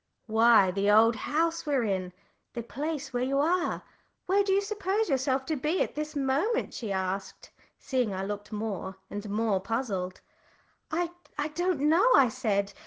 "Why, the old house we're in the place where you are. Where do you suppose yourself to be at this moment?" she asked, seeing I looked more and more puzzled. "I don't know," I said.